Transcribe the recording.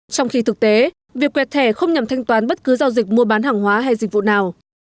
trong khi thực tế việc quẹt thẻ không nhằm thanh toán bất cứ giao dịch mua bán hàng hóa hay dịch vụ nào